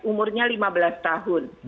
umurnya lima belas tahun